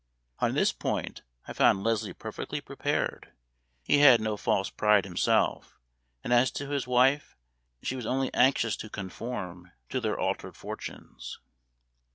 On this point I found Leslie perfectly prepared. He had no false pride himself, and as to his wife, she was only anxious to conform to their altered fortunes.